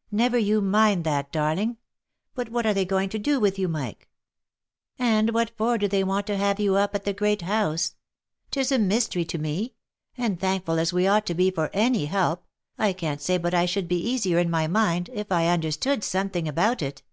" Never you mind that, darling. But what are they going to do with you, Mike ? And what for do they want to have you up at the great house ? 'Tis, a mystery to me, and thankful as we ought to be for any help, I can't say but I should be easier in my mind, if I understood something about it."